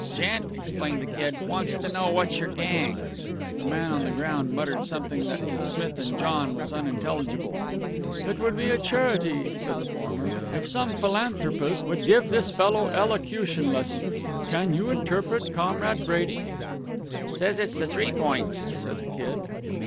"Gent," explained the Kid, "wants to know what's your gang." The man on the ground muttered something that to Smith and John was unintelligible. "It would be a charity," said the former, "if some philanthropist would give this fellow elocution lessons. Can you interpret, Comrade Brady?" "Says it's the Three Points," said the Kid.